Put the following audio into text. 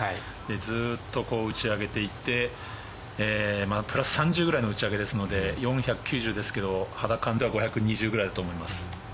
ずっと打ち上げていってプラス３０ぐらいの打ち上げですので４９０ですけど肌感では５２０ぐらいあります。